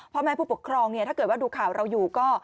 เพราะแม้ผู้ปกครองถ้าเกิดว่าดูข่าวเราอยู่ก็